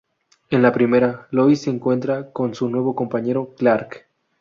En la primera, Lois se encuentra con su nuevo compañero Clark.